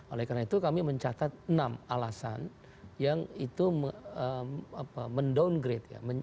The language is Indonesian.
oleh karena itu kami mencatat enam alasan yang itu mendowngrade